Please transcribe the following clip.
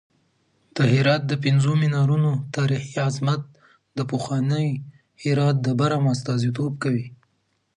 د هرات د پنځو منارونو تاریخي عظمت د پخواني هرات د برم استازیتوب کوي.